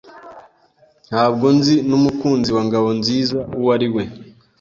Ntabwo nzi n'umukunzi wa Ngabonziza uwo ari we.